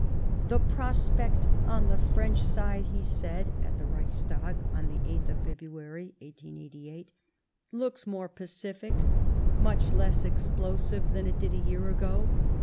" The prospect on the French side," he said at the Reichstag on the 8th of February, 1888, " looks more pacific, much less explosive than it did a year ago.